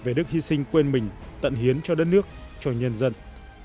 về đức hy sinh quên mình tận hiến cho đất nước cho nhân dân